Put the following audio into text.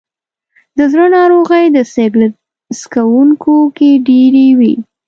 د زړه ناروغۍ د سګرټ څکونکو کې ډېرې وي.